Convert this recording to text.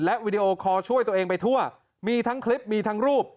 วีดีโอคอลช่วยตัวเองไปทั่วมีทั้งคลิปมีทั้งรูป